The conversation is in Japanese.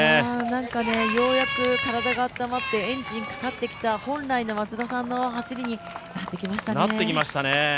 なんか、ようやく体が温まってエンジンがかかってきた本来の松田さんの走りになってきましたね。